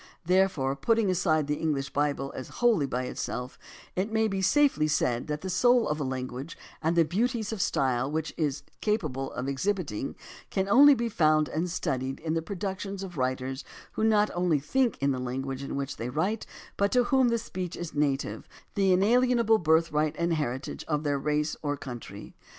Therefore, putting aside the English Bible as wholly by itself, it may be safely said that the soul of a language and the beauties of style which it is capable of exhibiting can only be found and studied in the productions of writers who not only think in the language in which they write, but to whom that speech is native, the inalienable birthright and heritage of their race or country.